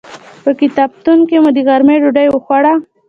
په کتابتون کې مو د غرمې ډوډۍ وخوړه.